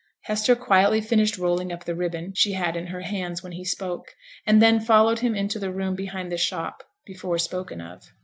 Hester quietly finished rolling up the ribbon she had in her hands when he spoke, and then followed him into the room behind the shop before spoken of.